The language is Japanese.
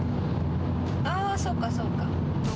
ああ、そっか、そっか。